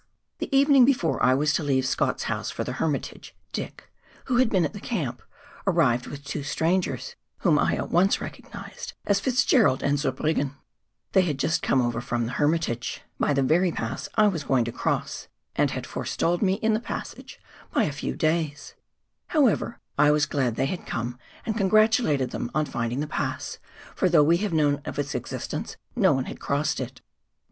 The evening before I was to leave Scott's house for the Hermitage, Dick — who had been at the camp — arrived with two strangers, whom I at once recognised as Fitzgerald and Zurbriggen. They had just come over from the Hermitage A PASS TO THE HERMITAGE. 271 by tlie very pass T was going to cross, and had forestalled me in the first passage by a few days. However, I was glad they had come, and congratulated them on finding the pass, for though we had known of its existence, no one had crossed it.